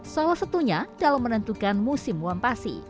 salah satunya dalam menentukan musim wampasi